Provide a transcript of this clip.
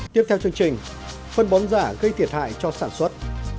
tiếp theo chương trình phân bón giả gây thiệt hại cho sản xuất